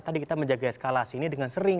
tadi kita menjaga eskala sini dengan sering